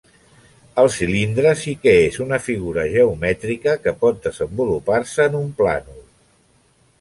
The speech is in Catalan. El cilindre sí que és una figura geomètrica que pot desenvolupar-se en un plànol.